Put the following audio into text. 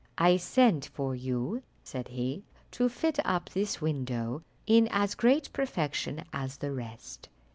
"I sent for you," said he, "to fit up this window in as great perfection as the rest.